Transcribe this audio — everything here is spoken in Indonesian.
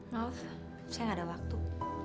maaf saya nggak ada waktu